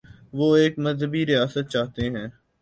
وہ ایک مذہبی ریاست چاہتے تھے؟